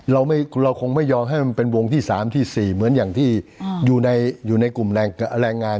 เราคงไม่ยอมให้มันเป็นวงที่๓ที่๔เหมือนอย่างที่อยู่ในกลุ่มแรงงาน